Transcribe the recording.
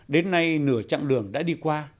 đến nay nửa chặng đường đã đi qua